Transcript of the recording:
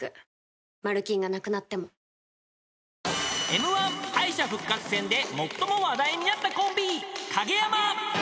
［Ｍ−１敗者復活戦で最も話題になったコンビ］